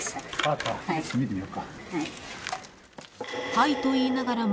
［「はい」と言いながらも］